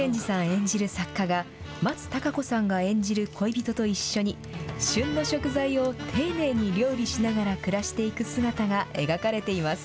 演じる作家が、松たか子さんが演じる恋人と一緒に、旬の食材を丁寧に料理しながら暮らしていく姿が描かれています。